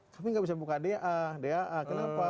tapi enggak bisa buka daa daa kenapa